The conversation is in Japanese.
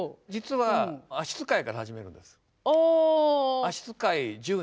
はい。